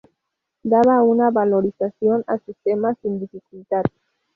Daba una valorización a sus temas sin dificultad.